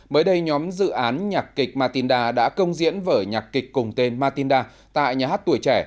mới đây nhóm dự án nhạc kịch matinda đã công diễn vở nhạc kịch cùng tên matinda tại nhà hát tuổi trẻ